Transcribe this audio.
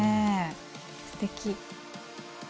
すてき。